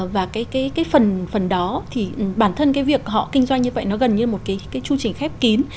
và cái phần phần đó thì bản thân cái việc họ kinh doanh như vậy nó gần như một cái chu trình khép kín